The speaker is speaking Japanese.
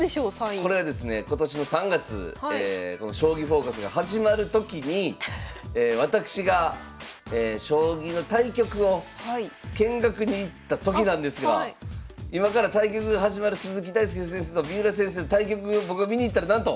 これはですね今年の３月この「将棋フォーカス」が始まる時に私が将棋の対局を見学に行った時なんですが今から対局が始まる鈴木大介先生と三浦先生の対局を僕が見に行ったらなんと！